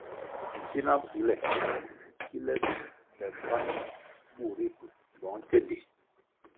Nsina mpule kile be mbpa bur ritu bong tsendi.